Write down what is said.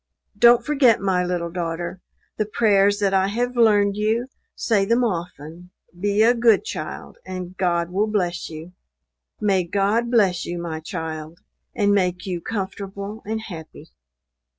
Don't forget, my little daughter, the prayers that I have learned you say them often; be a good child, and God will bless you. May God bless you my child, and make you comfortable and happy."